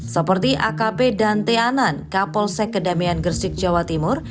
seperti akp dan te anan kapolsek kedamaian gersik jawa timur